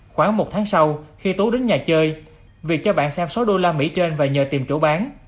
khoảng một tháng sau khi tú đến nhà chơi việt cho bạn xem số usd trên và nhờ tìm chỗ bán